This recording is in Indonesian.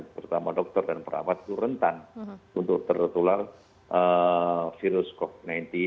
terutama dokter dan perawat itu rentan untuk tertular virus covid sembilan belas